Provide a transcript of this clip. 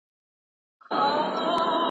ولې ځینې ټولنې له پرمختګ شاته پاتې دي؟